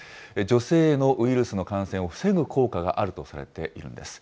女性へのウイルスの感染を防ぐ効果があるとされているんです。